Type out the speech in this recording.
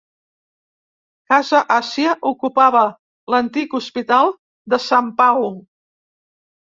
Casa Àsia ocupava l'Antic Hospital de Sant Pau